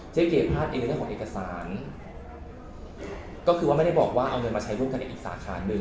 เก๋พลาดเองเรื่องของเอกสารก็คือว่าไม่ได้บอกว่าเอาเงินมาใช้ร่วมกันในอีกสาขาหนึ่ง